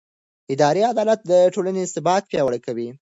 اداري عدالت د ټولنې ثبات پیاوړی کوي.